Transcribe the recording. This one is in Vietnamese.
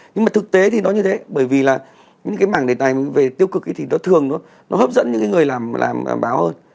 nhưng mà thực tế thì nó như thế bởi vì là những cái mảng đề tài về tiêu cực thì nó thường nó hấp dẫn những cái người làm báo hơn